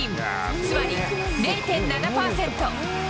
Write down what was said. つまり、０．７％。